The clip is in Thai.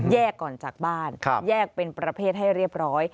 ก่อนจากบ้านแยกเป็นประเภทให้เรียบร้อย